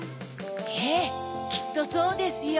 ええきっとそうですよ。